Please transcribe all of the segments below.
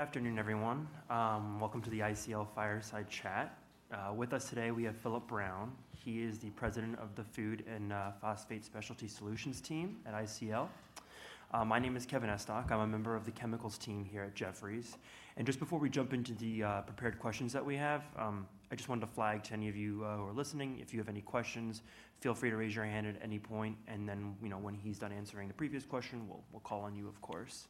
Good afternoon, everyone. Welcome to the ICL Fireside Chat. With us today, we have Philip Brown. He is the President of the Food and Phosphate Specialty Solutions team at ICL. My name is Kevin Estok. I'm a member of the chemicals team here at Jefferies. And just before we jump into the prepared questions that we have, I just wanted to flag to any of you who are listening, if you have any questions, feel free to raise your hand at any point, and then, you know, when he's done answering the previous question, we'll call on you, of course.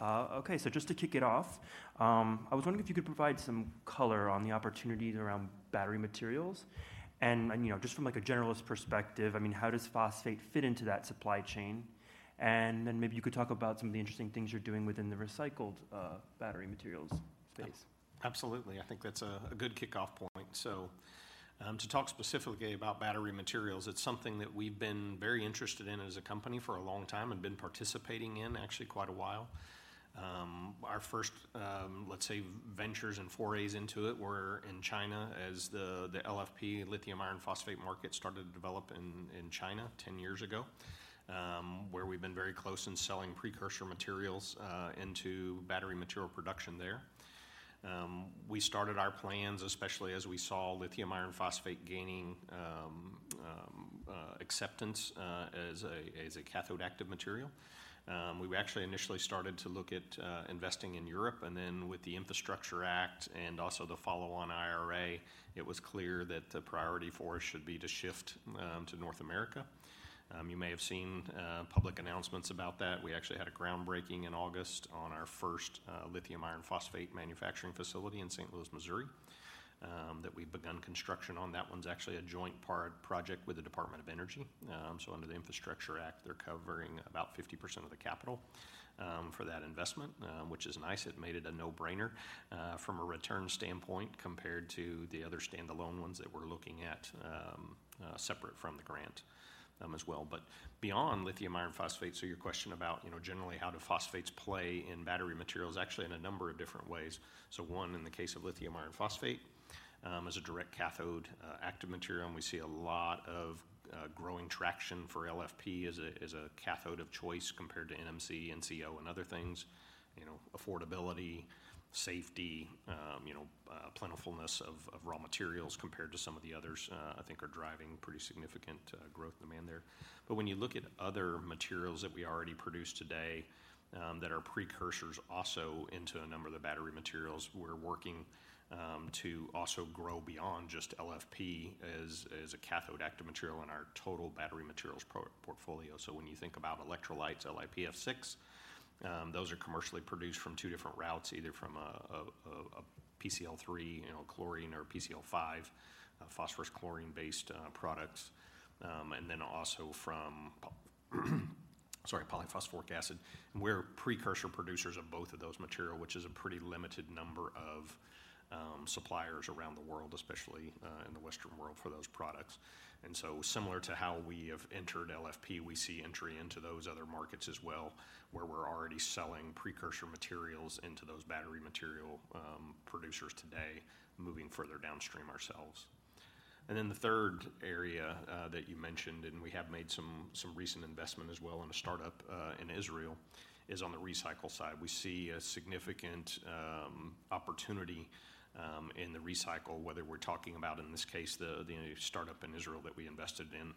Okay, so just to kick it off, I was wondering if you could provide some color on the opportunities around battery materials and, you know, just from, like, a generalist perspective, I mean, how does phosphate fit into that supply chain? And then maybe you could talk about some of the interesting things you're doing within the recycled battery materials space. Absolutely. I think that's a good kickoff point. So, to talk specifically about battery materials, it's something that we've been very interested in as a company for a long time and been participating in actually quite a while. Our first, let's say, ventures and forays into it were in China as the LFP, lithium iron phosphate market started to develop in China 10 years ago, where we've been very close in selling precursor materials into battery material production there. We started our plans, especially as we saw lithium iron phosphate gaining acceptance as a cathode active material. We actually initially started to look at investing in Europe, and then with the Infrastructure Act and also the follow-on IRA, it was clear that the priority for us should be to shift to North America. You may have seen public announcements about that. We actually had a groundbreaking in August on our first lithium iron phosphate manufacturing facility in St. Louis, Missouri, that we've begun construction on. That one's actually a joint project with the Department of Energy. So under the Infrastructure Act, they're covering about 50% of the capital for that investment, which is nice. It made it a no-brainer from a return standpoint compared to the other standalone ones that we're looking at separate from the grant, as well. But beyond lithium iron phosphate, so your question about, you know, generally, how do phosphates play in battery materials? Actually, in a number of different ways. So one, in the case of lithium iron phosphate, is a direct cathode active material, and we see a lot of growing traction for LFP as a, as a cathode of choice compared to NMC, NCO, and other things. You know, affordability, safety, you know, plentifulness of, of raw materials compared to some of the others, I think are driving pretty significant growth demand there. But when you look at other materials that we already produce today, that are precursors also into a number of the battery materials, we're working to also grow beyond just LFP as, as a cathode active material in our total battery materials portfolio. So when you think about electrolytes, LiPF6, those are commercially produced from two different routes, either from a PCl3, you know, chlorine, or PCl5, phosphorus chlorine-based products, and then also from polyphosphoric acid. And we're precursor producers of both of those material, which is a pretty limited number of suppliers around the world, especially in the Western world, for those products. And so similar to how we have entered LFP, we see entry into those other markets as well, where we're already selling precursor materials into those battery material producers today, moving further downstream ourselves. And then the third area that you mentioned, and we have made some recent investment as well in a startup in Israel, is on the recycle side. We see a significant opportunity in the recycle, whether we're talking about, in this case, the new startup in Israel that we invested in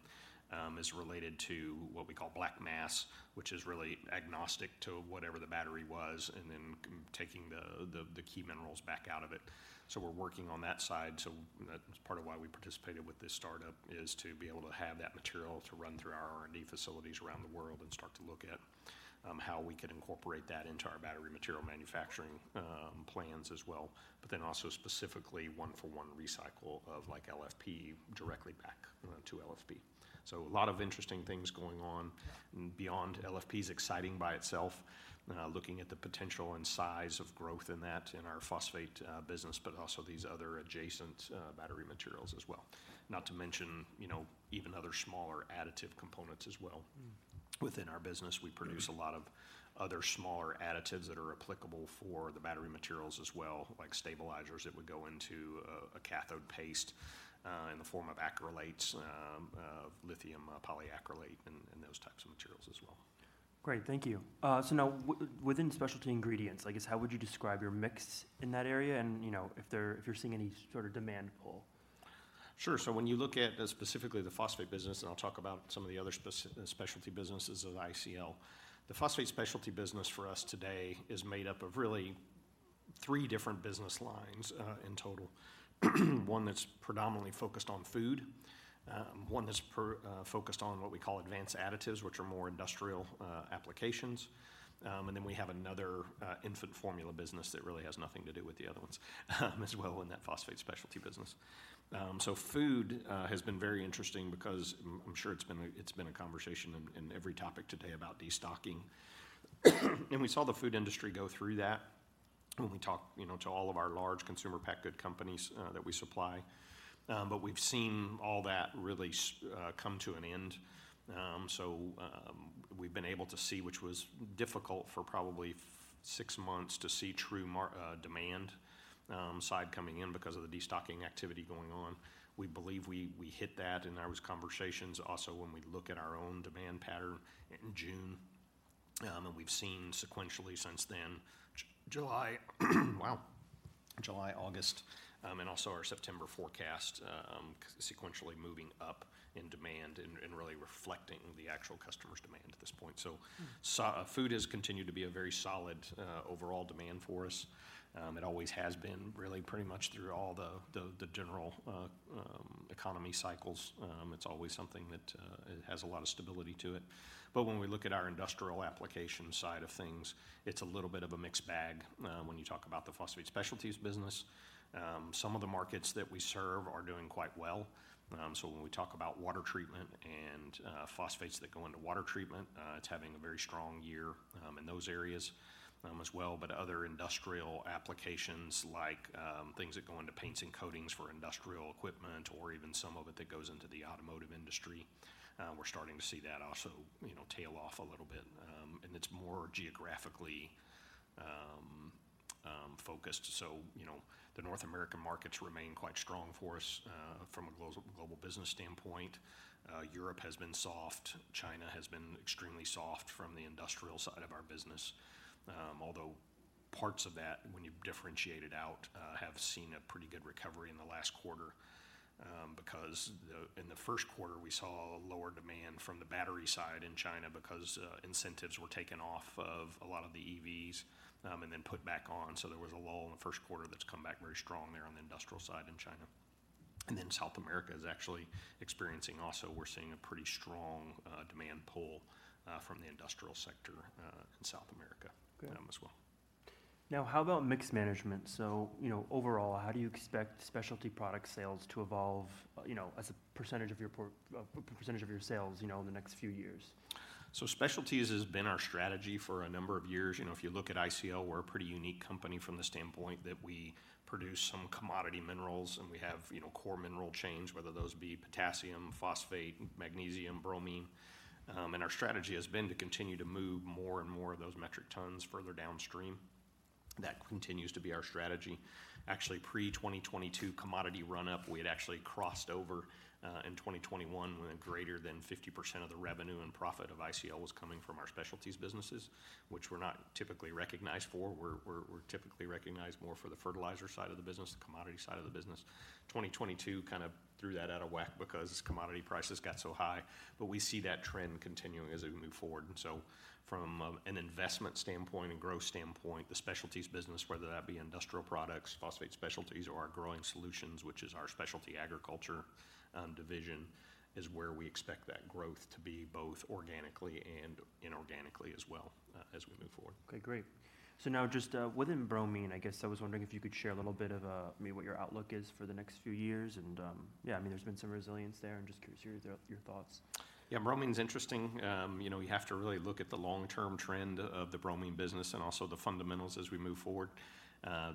is related to what we call black mass, which is really agnostic to whatever the battery was, and then taking the key minerals back out of it. So we're working on that side. So that's part of why we participated with this startup, is to be able to have that material to run through our R&D facilities around the world and start to look at how we could incorporate that into our battery material manufacturing plans as well, but then also specifically one-for-one recycle of, like, LFP directly back to LFP. A lot of interesting things going on, and beyond LFP's exciting by itself, looking at the potential and size of growth in that in our phosphate business, but also these other adjacent battery materials as well. Not to mention, you know, even other smaller additive components as well. Within our business, we produce a lot of other smaller additives that are applicable for the battery materials as well, like stabilizers that would go into a cathode paste, in the form of acrylates, lithium polyacrylate, and those types of materials as well. Great. Thank you. So now within specialty ingredients, I guess, how would you describe your mix in that area? And, you know, if you're seeing any sort of demand pull. Sure. So when you look at specifically the phosphate business, and I'll talk about some of the other specialty businesses of ICL, the phosphate specialty business for us today is made up of really three different business lines in total. One that's predominantly focused on food, one that's focused on what we call Advanced Additives, which are more industrial applications, and then we have another infant formula business that really has nothing to do with the other ones as well, in that phosphate specialty business. So food has been very interesting because I'm sure it's been a conversation in every topic today about destocking. And we saw the food industry go through that when we talked, you know, to all of our large consumer packaged goods companies that we supply. But we've seen all that really come to an end. We've been able to see, which was difficult for probably six months, to see true demand side coming in because of the destocking activity going on. We believe we hit that in our conversations. Also, when we look at our own demand pattern in June, and we've seen sequentially since then, July, August, and also our September forecast, sequentially moving up in demand and really reflecting the actual customer's demand at this point. So, food has continued to be a very solid, overall demand for us. It always has been really pretty much through all the, the, the general, economy cycles. It's always something that, it has a lot of stability to it. But when we look at our industrial application side of things, it's a little bit of a mixed bag, when you talk about the Phosphate Specialties business. Some of the markets that we serve are doing quite well. So when we talk about water treatment and, phosphates that go into water treatment, it's having a very strong year, in those areas, as well. But other industrial applications like things that go into paints and coatings for industrial equipment, or even some of it that goes into the automotive industry, we're starting to see that also, you know, tail off a little bit. And it's more geographically focused. So, you know, the North American markets remain quite strong for us from a global business standpoint. Europe has been soft. China has been extremely soft from the industrial side of our business. Although parts of that, when you differentiate it out, have seen a pretty good recovery in the last quarter, because in the first quarter, we saw lower demand from the battery side in China because incentives were taken off of a lot of the EVs, and then put back on. So there was a lull in the first quarter that's come back very strong there on the industrial side in China. And then South America is actually experiencing also. We're seeing a pretty strong demand pull from the industrial sector in South America- Good. as well. Now, how about mix management? So, you know, overall, how do you expect specialty product sales to evolve, you know, as a percentage of your percentage of your sales, you know, in the next few years? So specialties has been our strategy for a number of years. You know, if you look at ICL, we're a pretty unique company from the standpoint that we produce some commodity minerals, and we have, you know, core mineral chains, whether those be potassium, phosphate, magnesium, bromine. And our strategy has been to continue to move more and more of those metric tons further downstream. That continues to be our strategy. Actually, pre-2022 commodity run-up, we had actually crossed over in 2021, when greater than 50% of the revenue and profit of ICL was coming from our specialties businesses, which we're not typically recognized for. We're typically recognized more for the fertilizer side of the business, the commodity side of the business. 2022 kind of threw that out of whack because commodity prices got so high, but we see that trend continuing as we move forward. And so from an investment standpoint and growth standpoint, the specialties business, whether that be Industrial Products, Phosphate Specialties, or our Growing Solutions, which is our specialty agriculture division, is where we expect that growth to be, both organically and inorganically as well, as we move forward. Okay, great. So now, just within Bromine, I guess I was wondering if you could share a little bit of maybe what your outlook is for the next few years, and yeah, I mean, there's been some resilience there, and just curious your, your thoughts. Yeah, bromine's interesting. You know, you have to really look at the long-term trend of the bromine business and also the fundamentals as we move forward.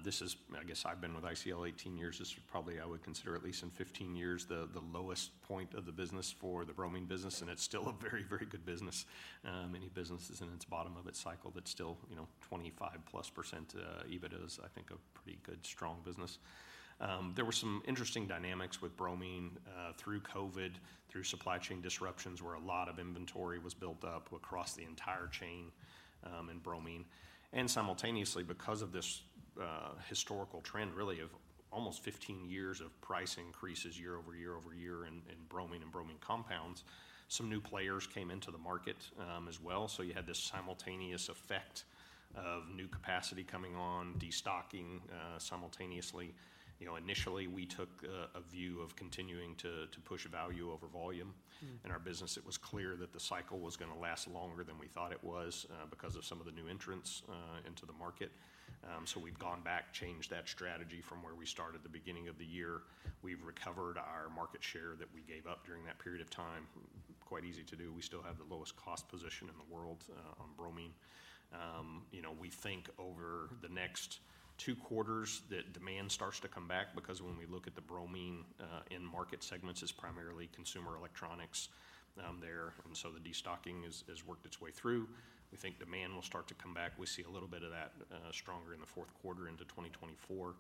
This is I guess I've been with ICL 18 years. This is probably, I would consider, at least in 15 years, the lowest point of the business for the bromine business, and it's still a very, very good business. Many businesses in its bottom of its cycle, that's still, you know, 25%+, EBITDA is, I think, a pretty good, strong business. There were some interesting dynamics with bromine through COVID, through supply chain disruptions, where a lot of inventory was built up across the entire chain in bromine. And simultaneously, because of this, historical trend, really of almost 15 years of price increases year-over-year in bromine and bromine compounds, some new players came into the market, as well. So you had this simultaneous effect of new capacity coming on, destocking, simultaneously. You know, initially, we took a view of continuing to push value over volume- Hmm. in our business. It was clear that the cycle was gonna last longer than we thought it was, because of some of the new entrants into the market. So we've gone back, changed that strategy from where we started at the beginning of the year. We've recovered our market share that we gave up during that period of time. Quite easy to do. We still have the lowest cost position in the world on bromine. You know, we think over the next two quarters, that demand starts to come back because when we look at the bromine in market segments, it's primarily consumer electronics there, and so the destocking has worked its way through. We think demand will start to come back. We see a little bit of that stronger in the fourth quarter into 2024.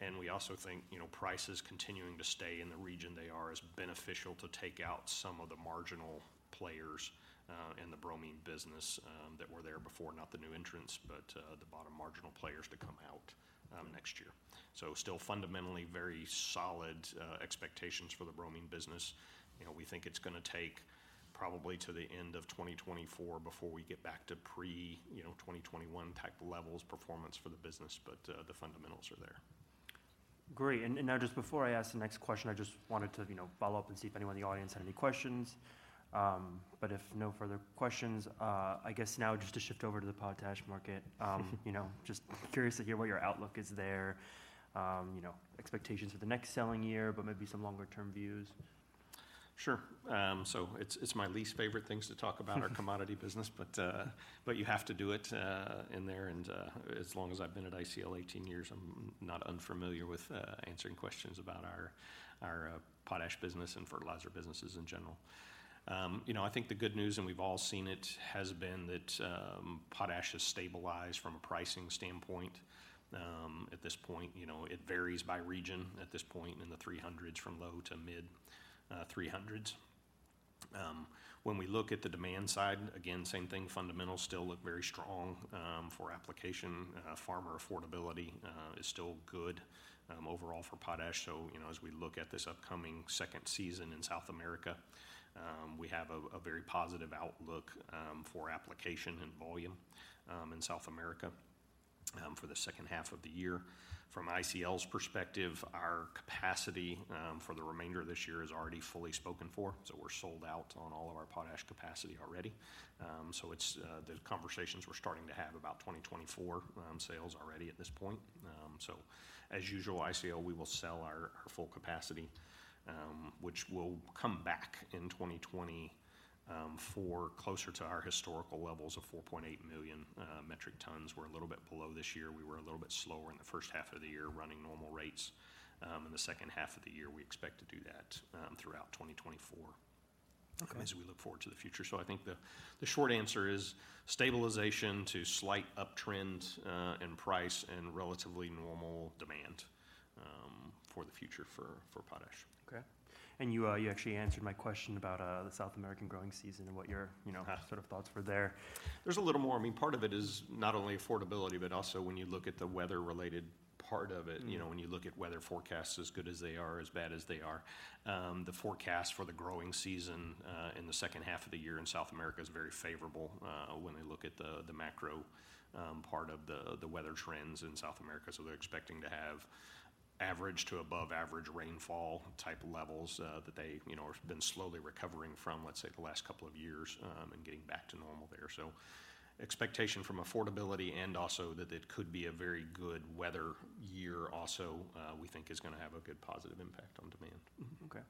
And we also think, you know, prices continuing to stay in the region they are is beneficial to take out some of the marginal players, in the Bromine business, that were there before, not the new entrants, but, the bottom marginal players to come out, next year. So still fundamentally very solid, expectations for the Bromine business. You know, we think it's gonna take probably to the end of 2024 before we get back to pre, you know, 2021 type levels performance for the business, but, the fundamentals are there. Great. And now just before I ask the next question, I just wanted to, you know, follow up and see if anyone in the audience had any questions. But if no further questions, I guess now just to shift over to the potash market. You know, just curious to hear what your outlook is there. You know, expectations for the next selling year, but maybe some longer term views. Sure. So it's my least favorite things to talk about our commodity business, but you have to do it in there. As long as I've been at ICL 18 years, I'm not unfamiliar with answering questions about our potash business and fertilizer businesses in general. You know, I think the good news, and we've all seen it, has been that potash has stabilized from a pricing standpoint. At this point, you know, it varies by region. At this point, in the $300s, from low to mid-$300s. When we look at the demand side, again, same thing, fundamentals still look very strong for application. Farmer affordability is still good overall for potash. So, you know, as we look at this upcoming second season in South America, we have a very positive outlook for application and volume in South America for the second half of the year. From ICL's perspective, our capacity for the remainder of this year is already fully spoken for, so we're sold out on all of our potash capacity already. So it's the conversations we're starting to have about 2024 sales already at this point. So as usual, ICL, we will sell our full capacity, which will come back in 2024, closer to our historical levels of 4.8 million metric tons. We're a little bit below this year. We were a little bit slower in the first half of the year, running normal rates. In the second half of the year, we expect to do that throughout 2024- Okay as we look forward to the future. So I think the short answer is stabilization to slight uptrend in price and relatively normal demand for the future for Potash. Okay. And you actually answered my question about the South American growing season and what your, you know- Yeah sort of thoughts were there. There's a little more. I mean, part of it is not only affordability, but also when you look at the weather-related part of it. You know, when you look at weather forecasts, as good as they are, as bad as they are, the forecast for the growing season in the second half of the year in South America is very favorable, when we look at the macro part of the weather trends in South America. So they're expecting to have average to above average rainfall type levels that they, you know, have been slowly recovering from, let's say, the last couple of years, and getting back to normal there. So expectation from affordability and also that it could be a very good weather year also, we think is gonna have a good positive impact on demand. Okay.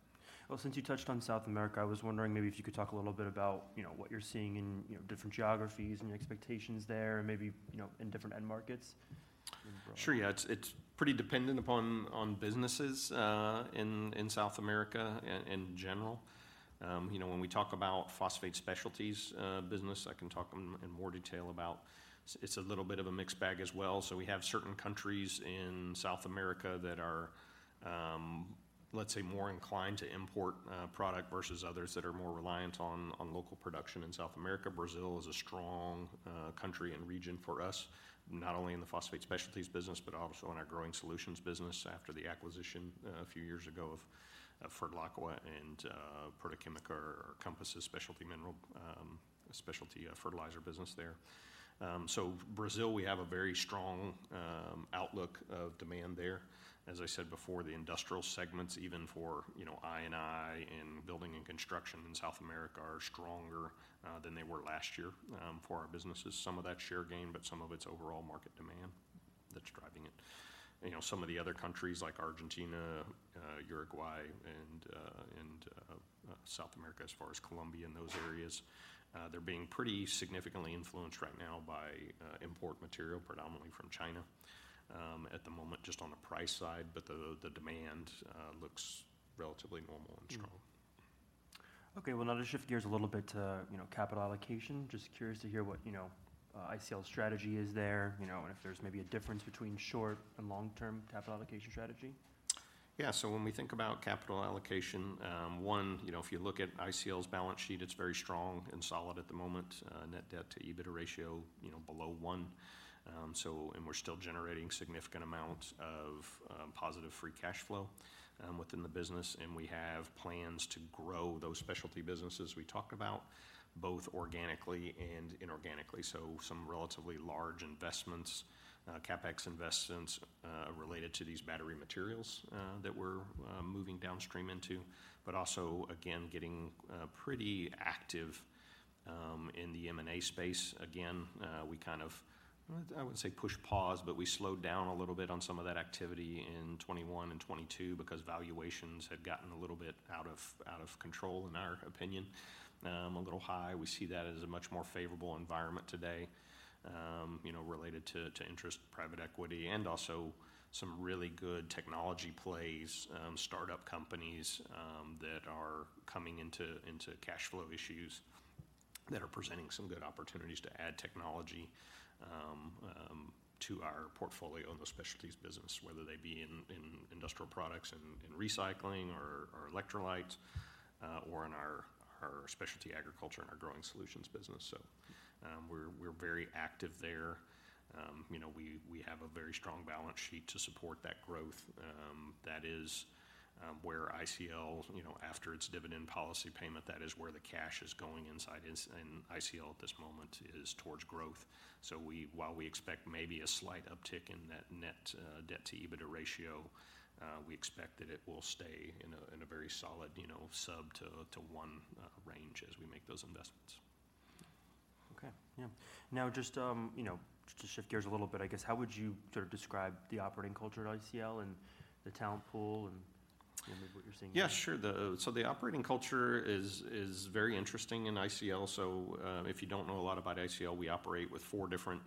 Well, since you touched on South America, I was wondering maybe if you could talk a little bit about, you know, what you're seeing in, you know, different geographies and your expectations there, and maybe, you know, in different end markets? Sure, yeah. It's pretty dependent upon businesses in South America in general. You know, when we talk about Phosphate Specialties business, I can talk in more detail about It's a little bit of a mixed bag as well. So we have certain countries in South America that are, let's say, more inclined to import product versus others that are more reliant on local production. In South America, Brazil is a strong country and region for us, not only in the Phosphate Specialties business, but also in our Growing Solutions business after the acquisition a few years ago of Fertilaqua and Proquímica, our Compass's specialty mineral specialty fertilizer business there. So Brazil, we have a very strong outlook of demand there. As I said before, the industrial segments, even for, you know, I&I, and building and construction in South America, are stronger than they were last year for our businesses. Some of that's share gain, but some of it's overall market demand that's driving it. You know, some of the other countries like Argentina, Uruguay, and South America, as far as Colombia and those areas, they're being pretty significantly influenced right now by import material, predominantly from China, at the moment, just on the price side, but the, the demand looks relatively normal and strong. Okay, well, now to shift gears a little bit to, you know, capital allocation. Just curious to hear what, you know, ICL's strategy is there, you know, and if there's maybe a difference between short- and long-term capital allocation strategy. Yeah, so when we think about capital allocation, you know, if you look at ICL's balance sheet, it's very strong and solid at the moment. Net debt to EBITDA ratio, you know, below one. So, and we're still generating significant amounts of positive free cash flow within the business, and we have plans to grow those specialty businesses we talked about, both organically and inorganically. So some relatively large investments, CapEx investments, related to these battery materials that we're moving downstream into, but also, again, getting pretty active in the M&A space. Again, we kind of, I wouldn't, I wouldn't say pushed pause, but we slowed down a little bit on some of that activity in 2021 and 2022 because valuations had gotten a little bit out of, out of control, in our opinion, a little high. We see that as a much more favorable environment today, you know, related to, to interest, private equity, and also some really good technology plays, startup companies, that are coming into, into cash flow issues, that are presenting some good opportunities to add technology, to our portfolio in the specialties business, whether they be in, in Industrial Products, in, in recycling or, or electrolytes, or in our, our specialty agriculture and our Growing Solutions business. So, we're, we're very active there. You know, we, we have a very strong balance sheet to support that growth. That is where ICL, you know, after its dividend policy payment, that is where the cash is going inside in ICL at this moment, is towards growth. So while we expect maybe a slight uptick in that net debt to EBITDA ratio, we expect that it will stay in a very solid, you know, sub-2-to-1 range as we make those investments. Okay, yeah. Now just, you know, just to shift gears a little bit, I guess, how would you sort of describe the operating culture at ICL and the talent pool, and, you know, maybe what you're seeing? Yeah, sure. So the operating culture is very interesting in ICL. So, if you don't know a lot about ICL, we operate with four different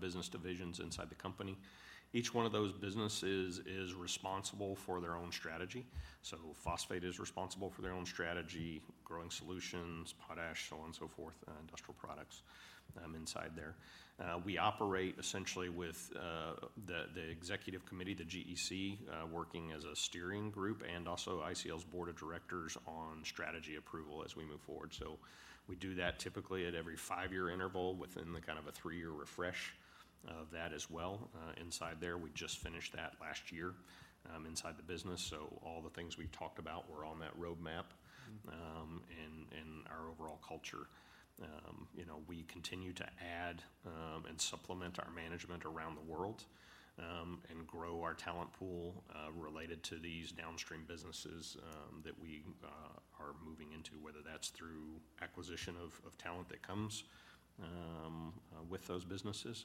business divisions inside the company. Each one of those businesses is responsible for their own strategy. So Phosphate is responsible for their own strategy, Growing Solutions, Potash, so on and so forth, and Industrial Products inside there. We operate essentially with the executive committee, the GEC, working as a steering group, and also ICL's board of directors on strategy approval as we move forward. So we do that typically at every five-year interval within the kind of a three-year refresh of that as well inside there. We just finished that last year inside the business, so all the things we've talked about were on that roadmap. Our overall culture, you know, we continue to add and supplement our management around the world and grow our talent pool related to these downstream businesses that we are moving into, whether that's through acquisition of talent that comes with those businesses,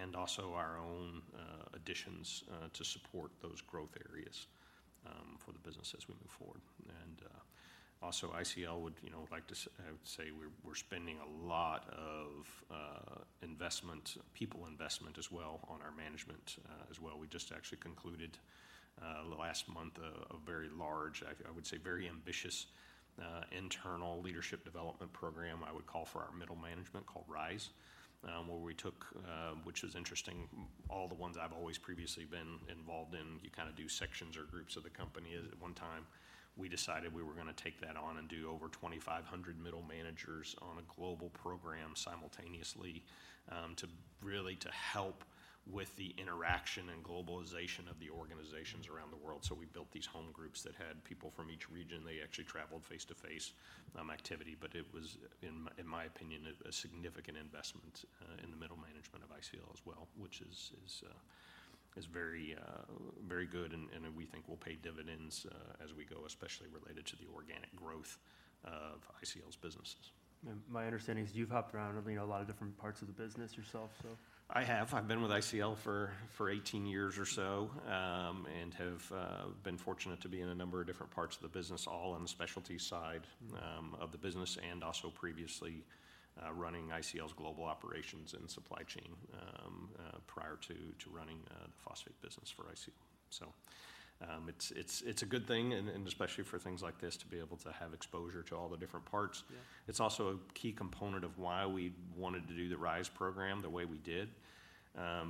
and also our own additions to support those growth areas for the business as we move forward. ICL would, you know, like to say we're spending a lot of investment, people investment as well, on our management as well. We just actually concluded last month a very large, I would say, very ambitious internal leadership development program, I would call for our middle management, called Rise. where we took, which is interesting, all the ones I've always previously been involved in, you kinda do sections or groups of the company at one time. We decided we were gonna take that on and do over 2,500 middle managers on a global program simultaneously, to really help with the interaction and globalization of the organizations around the world. So we built these home groups that had people from each region. They actually traveled face-to-face activity, but it was, in my opinion, a significant investment in the middle management of ICL as well, which is very good, and we think will pay dividends as we go, especially related to the organic growth of ICL's businesses. My understanding is you've hopped around in, you know, a lot of different parts of the business yourself, so. I have. I've been with ICL for 18 years or so, and have been fortunate to be in a number of different parts of the business, all on the specialty side of the business, and also previously, running ICL's global operations and supply chain, prior to running the phosphate business for ICL. So, it's a good thing, and especially for things like this, to be able to have exposure to all the different parts. Yeah. It's also a key component of why we wanted to do the Rise program the way we did.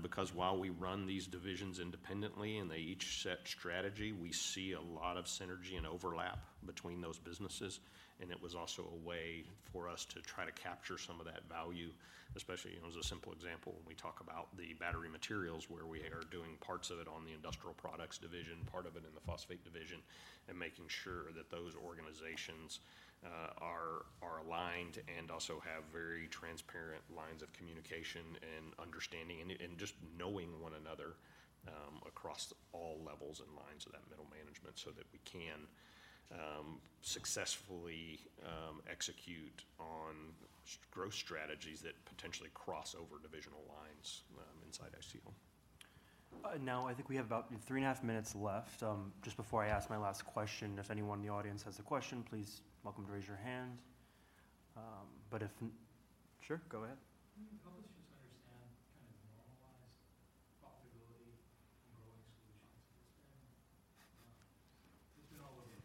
Because while we run these divisions independently and they each set strategy, we see a lot of synergy and overlap between those businesses, and it was also a way for us to try to capture some of that value. Especially, you know, as a simple example, when we talk about the battery materials, where we are doing parts of it on the Industrial Products division, part of it in the Phosphate division, and making sure that those organizations are aligned and also have very transparent lines of communication and understanding, and just knowing one another across all levels and lines of that middle management, so that we can successfully execute on growth strategies that potentially cross over divisional lines inside ICL. Now I think we have about 3.5 minutes left. Just before I ask my last question, if anyone in the audience has a question, please welcome to raise your hand. But if Sure, go ahead. Can you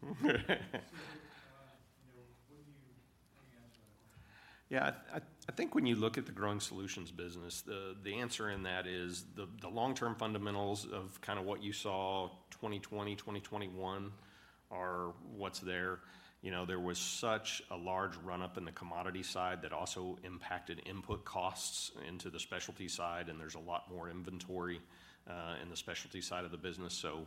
help us just understand, kind of normalize profitability in Growing Solutions at this time? It's been all over the place. So, you know, what do you How do you answer that one? Yeah, I think when you look at the Growing Solutions business, the answer in that is the long-term fundamentals of kinda what you saw in 2020, 2021 are what's there. You know, there was such a large run-up in the commodity side that also impacted input costs into the specialty side, and there's a lot more inventory in the specialty side of the business. So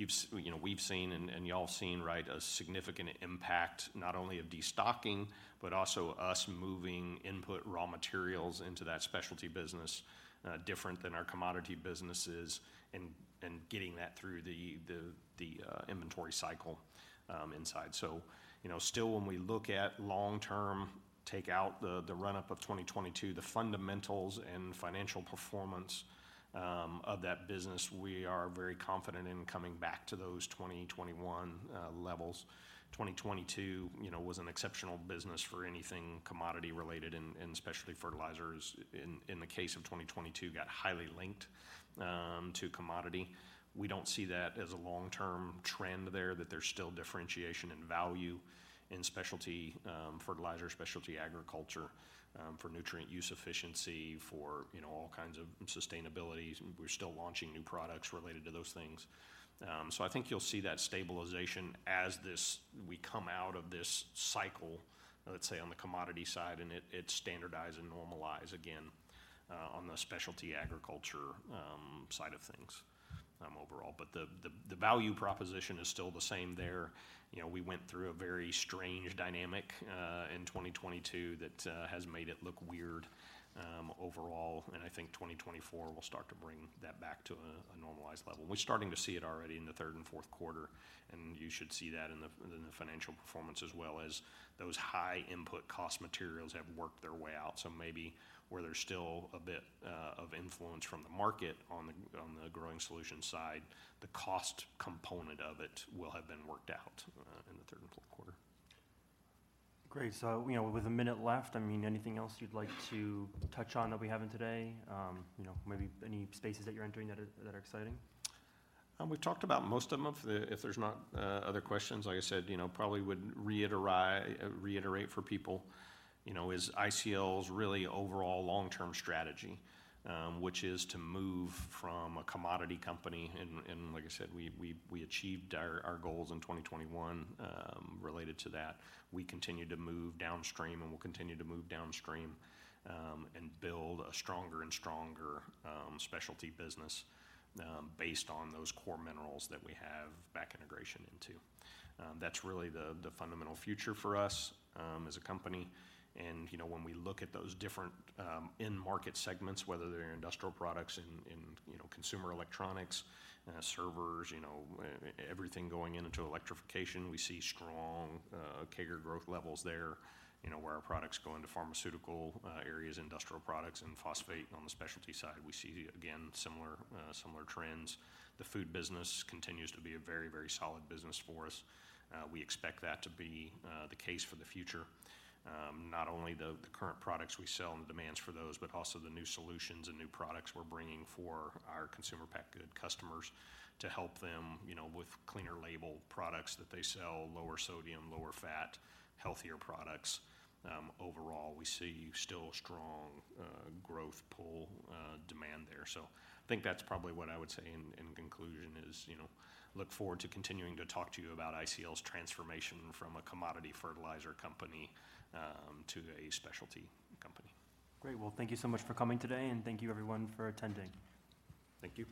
you've you know, we've seen, and y'all have seen, right, a significant impact, not only of destocking, but also us moving input raw materials into that specialty business, different than our commodity businesses, and getting that through the inventory cycle inside. So, you know, still when we look at long-term, take out the run-up of 2022, the fundamentals and financial performance of that business, we are very confident in coming back to those 2021 levels. 2022, you know, was an exceptional business for anything commodity related, and specialty fertilizers, in the case of 2022, got highly linked to commodity. We don't see that as a long-term trend there, that there's still differentiation and value in specialty fertilizer, specialty agriculture, for nutrient use efficiency, for, you know, all kinds of sustainabilities. We're still launching new products related to those things. So I think you'll see that stabilization as this, we come out of this cycle, let's say, on the commodity side, and it standardize and normalize again, on the specialty agriculture side of things. Overall, but the value proposition is still the same there. You know, we went through a very strange dynamic in 2022 that has made it look weird overall, and I think 2024 will start to bring that back to a normalized level. We're starting to see it already in the third and fourth quarter, and you should see that in the financial performance as well as those high input cost materials have worked their way out. So maybe where there's still a bit of influence from the market on the Growing Solutions side, the cost component of it will have been worked out in the third and fourth quarter. Great. So, you know, with a minute left, I mean, anything else you'd like to touch on that we haven't today? You know, maybe any spaces that you're entering that are exciting? We've talked about most of them. If there's not other questions, like I said, you know, probably would reiterate for people, you know, is ICL's really overall long-term strategy, which is to move from a commodity company. Like I said, we achieved our goals in 2021 related to that. We continue to move downstream, and we'll continue to move downstream, and build a stronger and stronger specialty business based on those core minerals that we have back integration into. That's really the fundamental future for us as a company. You know, when we look at those different end market segments, whether they're in industrial products, in, you know, consumer electronics, servers, you know, everything going into electrification, we see strong CAGR growth levels there. You know, where our products go into pharmaceutical areas, industrial products, and phosphate on the specialty side, we see, again, similar, similar trends. The food business continues to be a very, very solid business for us. We expect that to be the case for the future. Not only the current products we sell and the demands for those, but also the new solutions and new products we're bringing for our consumer packaged goods customers to help them, you know, with cleaner label products that they sell, lower sodium, lower fat, healthier products. Overall, we see still a strong growth pull, demand there. So I think that's probably what I would say in conclusion is, you know, look forward to continuing to talk to you about ICL's transformation from a commodity fertilizer company to a specialty company. Great. Well, thank you so much for coming today, and thank you, everyone, for attending. Thank you.